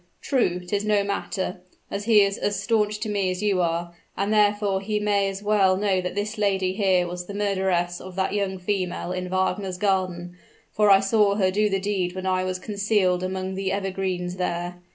True, 'tis no matter, as he is as stanch to me as you are; and therefore he may as well know that this lady here was the murderess of the young female in Wagner's garden: for I saw her do the deed when I was concealed among the evergreens there.